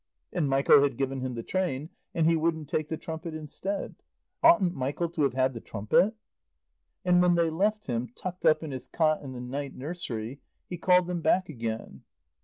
And Michael had given him the train and he wouldn't take the trumpet instead. Oughtn't Michael to have had the trumpet? And when they left him, tucked up in his cot in the night nursery, he called them back again.